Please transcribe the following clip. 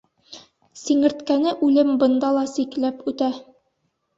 Сиңерткәне үлем бында ла ситләп үтә.